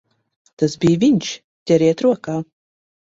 Tas bija viņš! Ķeriet rokā!